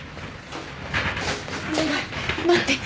お願い待って。